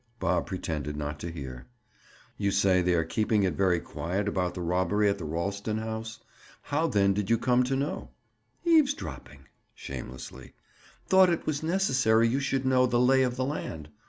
Bob pretended not to hear. "You say they are keeping it very quiet about the robbery at the Ralston house. How, then, did you come to know?" "Eavesdropping." Shamelessly. "Thought it was necessary you should know the 'lay of the land.